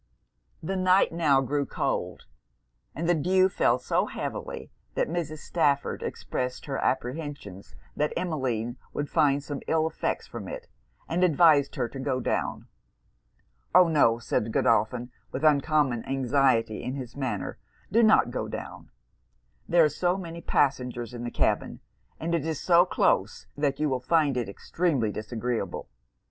The night now grew cold; and the dew fell so heavily, that Mrs. Stafford expressed her apprehensions that Emmeline would find some ill effects from it, and advised her to go down. 'Oh! no,' said Godolphin, with uncommon anxiety in his manner 'do not go down. There are so many passengers in the cabin, and it is so close, that you will find it extremely disagreeable.